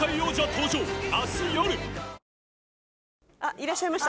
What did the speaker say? いらっしゃいました。